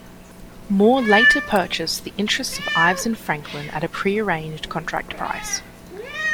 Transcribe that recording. Moore later purchased the interests of Ives and Franklin at a pre-arranged contract price.